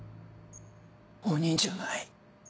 鬼じゃない。